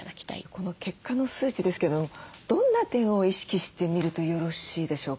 この結果の数値ですけどもどんな点を意識して見るとよろしいでしょうか？